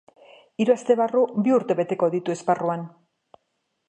Hiru aste barru, bi urte beteko ditu esparruan.